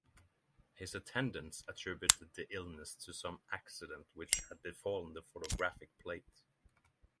His attendants attributed the illness to some accident which had befallen the photographic plate.